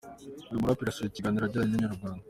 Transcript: Uyu muraperi yasoje ikiganiro yagiranye na Inyarwanda.